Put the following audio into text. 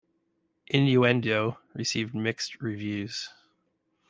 "Innuendo" received mixed reviews.